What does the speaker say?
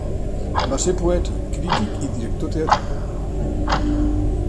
Va ser poeta, crític i director teatral.